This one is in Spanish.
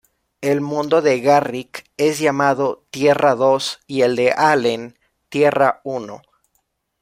El mundo de Garrick es llamado Tierra-Dos y el de Allen Tierra-Uno.